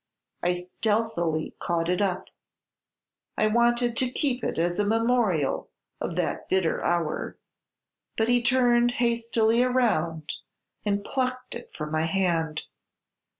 I stealthily caught it up. I wanted to keep it as a memorial of that bitter hour; but he turned hastily around and plucked it from my hand.